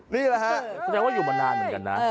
นี่หรออยู่มานานเหมือนกันนะ